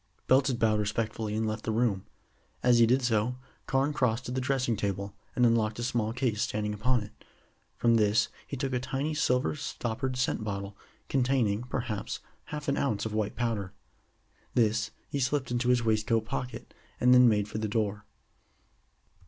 Belton bowed respectfully and left the room. As he did so, Carne crossed to the dressing table, and unlocked a small case standing upon it. From this he took a tiny silver stoppered scent bottle, containing, perhaps, half an ounce of white powder. This he slipped into his waistcoat pocket, and then made for the door.